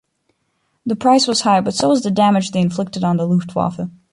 The price was high, but so was the damage they inflicted on the Luftwaffe.